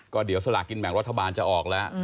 ก็เดี๋ยวสลากินแบ่งรัฐบาลจะออกแล้ว